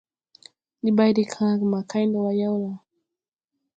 Ndi bay de kããge ma kay ndɔ wà yawla?